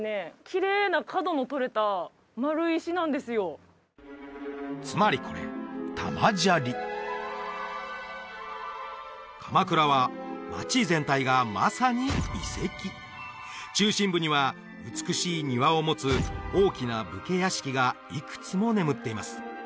きれいな角の取れた丸い石なんですよつまりこれ玉砂利鎌倉は街全体がまさに遺跡中心部には美しい庭を持つ大きな武家屋敷がいくつも眠っています